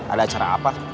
ada acara apa